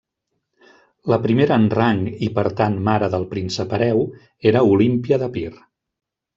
La primera en rang i, per tant, mare del príncep hereu, era Olímpia d'Epir.